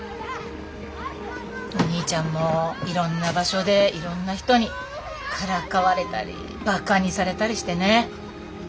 お兄ちゃんもいろんな場所でいろんな人にからかわれたりバカにされたりしてね。